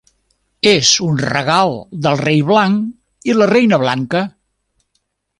És un regal del Rei Blanc i la Reina Blanca.